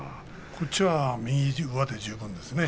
こっちは右上手十分ですね。